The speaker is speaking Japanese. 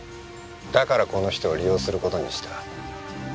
だからこの人を利用する事にした。